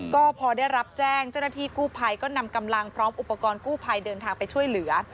ก็พอได้รับแจ้งเจ้าหน้าที่กู้ภัยก็นำกำลังพร้อมอุปกรณ์กู้ภัยเดินทางไปช่วยเหลือ